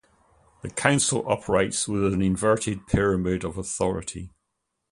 The Council operates with an "inverted" pyramid of authority.